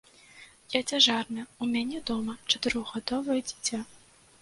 Я цяжарная, у мяне дома чатырохгадовае дзіця.